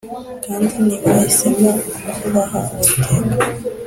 Kandi ntibahisemo kubaha Uwiteka